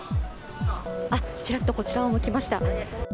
あっ、ちらっとこちらを向きました。